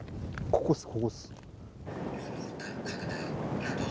ここです。